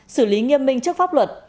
xử lý nghiêm minh trước pháp luật